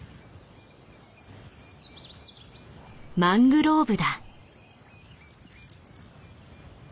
マングローブだ。